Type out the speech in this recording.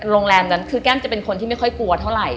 โรงแรมนั้นคือแก้มจะเป็นคนที่ไม่ค่อยกลัวเท่าไหร่